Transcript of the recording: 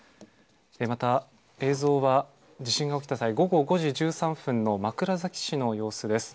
また、映像は、地震が起きた際、午後５時１３分の枕崎市の様子です。